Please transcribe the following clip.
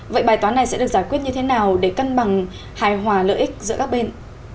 vậy bài toán này sẽ được giải quyết như thế nào để cân bằng hài hòa lợi ích giữa các bên